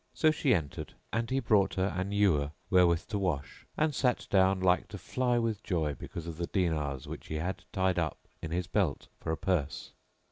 So she entered and he brought her an ewer wherewith to wash, and sat down like to fly with joy because of the dinars which he had tied up in his belt for a purse.